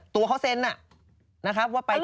ตัวเขาเซ็นนะครับว่าไป